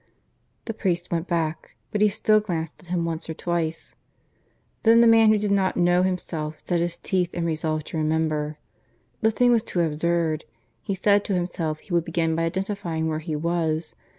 The priest went back, but he still glanced at him once or twice. Then the man who did not know himself set his teeth and resolved to remember. The thing was too absurd. He said to himself he would begin by identifying where he was.